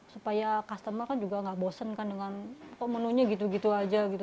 supaya customer kan juga gak bosen kan dengan kok menunya gitu gitu aja gitu